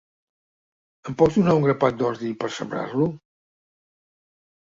Em pots donar un grapat d'ordi, per sembrar-lo?